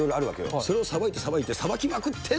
それをさばいてさばいてさばきまくって。